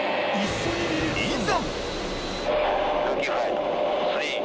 いざ！